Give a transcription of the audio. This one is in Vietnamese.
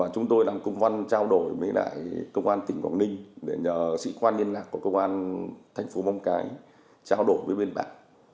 chúng tôi làm công an trao đổi với lại công an tỉnh quảng ninh để nhờ sĩ quan liên lạc của công an thành phố vong cai trao đổi với bên bạn